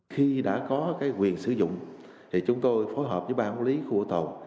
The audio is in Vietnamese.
khi đã có quyền sử dụng chúng tôi phối hợp với ba quốc lý khu bảo tồn